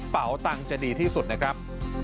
ตังค์จะดีที่สุดนะครับ